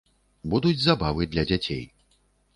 Будуць забавы для дзяцей.